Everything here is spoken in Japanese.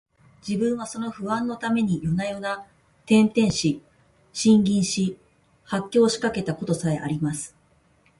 自分はその不安のために夜々、転輾し、呻吟し、発狂しかけた事さえあります